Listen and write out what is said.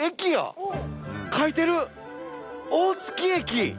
書いてる「大月駅」。